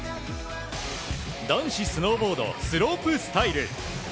男子スノーボードスロープスタイル。